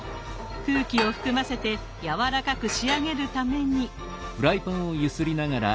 空気を含ませてやわらかく仕上げるために。